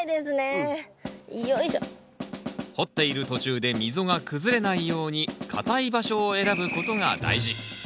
掘っている途中で溝が崩れないように硬い場所を選ぶことが大事。